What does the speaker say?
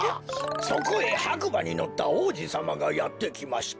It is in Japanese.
「そこへはくばにのったおうじさまがやってきました。